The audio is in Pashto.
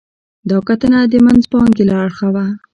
دا کتنه د منځپانګې له اړخه وه.